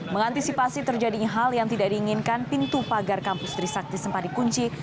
mengantisipasi terjadinya hal yang tidak diinginkan pintu pagar kampus trisakti sempat dikunci